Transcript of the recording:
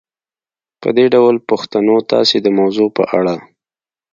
په دې ډول پوښتنو تاسې د موضوع په اړه